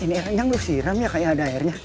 ini air ranjang belum siram ya kayaknya ada airnya